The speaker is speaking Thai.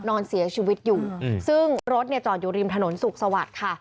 นอนเสียชีวิตอยู่ซึ่งรถเนี่ยจอดอยู่ริมถนนสุขสวัสดิ์ค่ะ